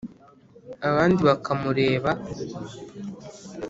Abandi bakamureba